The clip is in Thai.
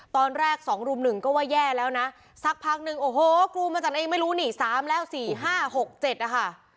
ตอนแรก๒รุ่มหนึ่งก็ว่าแย่แล้วนะสักพักหนึ่งโอ้โหครูมาจัดเองไม่รู้นี่๓แล้ว๔๕๖๗นะคะ